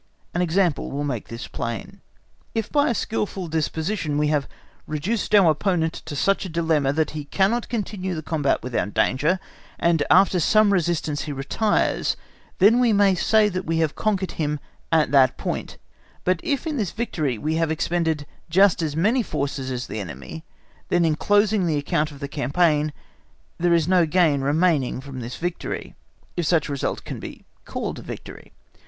An example will make this plain. If by a skilful disposition we have reduced our opponent to such a dilemma, that he cannot continue the combat without danger, and after some resistance he retires, then we may say, that we have conquered him at that point; but if in this victory we have expended just as many forces as the enemy, then in closing the account of the campaign, there is no gain remaining from this victory, if such a result can be called a victory.